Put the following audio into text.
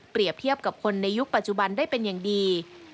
เทียบกับคนในยุคปัจจุบันได้เป็นอย่างดี